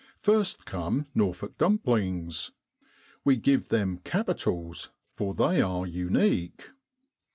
First come Norfolk Dumplings. We give them capitals, for they are unique.